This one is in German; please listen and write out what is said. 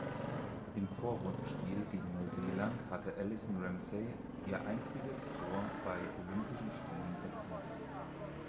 Im Vorrundenspiel gegen Neuseeland hatte Alison Ramsay ihr einziges Tor bei Olympischen Spielen erzielt.